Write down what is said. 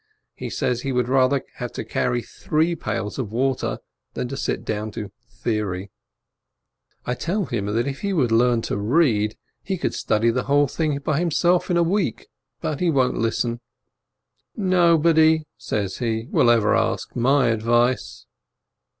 He says, he would rather have to carry three pails of water than sit down to "theory." 288 BERDYCZEWSKI I tell him, that if he would learn to read, he could study the whole thing by himself in a week; but he won't listen. "Nobody," he says, "will ever ask my advice."